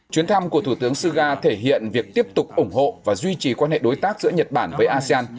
chuyến thăm của thủ tướng suga thể hiện việc tiếp tục ủng hộ và duy trì quan hệ đối tác giữa nhật bản với asean